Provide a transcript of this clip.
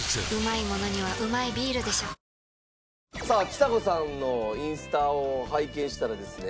ちさ子さんのインスタを拝見したらですね